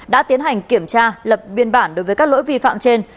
đã tiến hành kiểm tra lập biên bản đối với các lỗi vi phạm trên